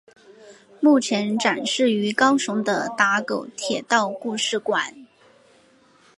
目前展示于高雄的打狗铁道故事馆。